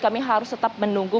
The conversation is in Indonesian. kami harus tetap menunggu